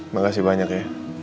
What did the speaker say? makasih banyak ya